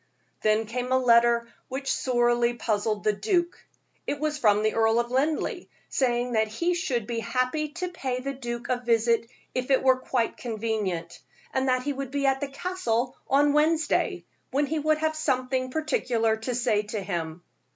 Then came a letter which sorely puzzled the duke. It was from the Earl of Linleigh, saying that he should be happy to pay the duke a visit if it were quite convenient, and that he would be at the Castle on Wednesday, when he would have something particular to say to him.